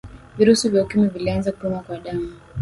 virusi vya ukimwi vilianza kupimwa kwa damu